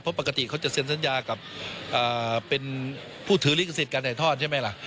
เพราะปกติเขาจะเซ็นสัญญากับเป็นผู้ถือลิขสิทธิ์การถ่ายทอดใช่ไหมล่ะ